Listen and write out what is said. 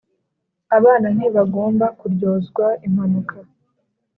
abana ntibagomba kuryozwa impanuka.